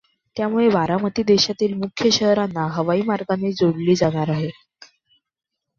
त्यामुळे बारामती देशातील मुख्य शहरांना हवाईमार्गाने जोडली जाणार आहे.